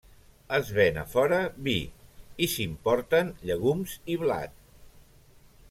Es ven a fora vi, i s'importen llegums i blat.